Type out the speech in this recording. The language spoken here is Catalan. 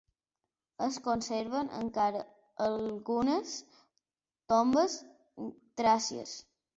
Es conserven encara algunes tombes tràcies.